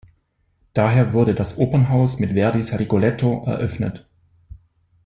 Daher wurde das Opernhaus mit Verdis "Rigoletto" eröffnet.